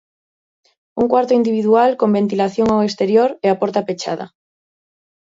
Un cuarto individual con ventilación ao exterior e a porta pechada.